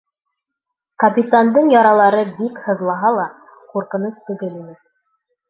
Капитандың яралары, бик һыҙлаһа ла, ҡурҡыныс түгел ине.